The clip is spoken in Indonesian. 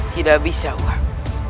tidak bisa uang